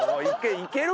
いける？